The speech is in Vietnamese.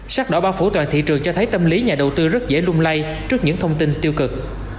sắc đỏ bao phủ toàn thị trường cho thấy tâm lý nhà đầu tư rất dễ lung lay trước những thông tin tiêu cực